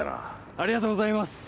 ありがとうございます